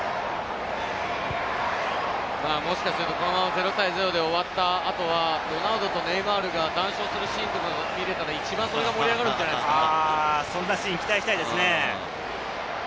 もしかすると、このまま０対０で終わった後はロナウドとネイマールが談笑するシーンが見れたら、一番盛り上がるんじゃないですか。